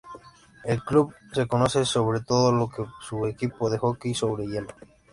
El club se conoce sobre todo para su equipo de hockey sobre hielo.